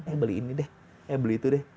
eh beli ini deh beli itu deh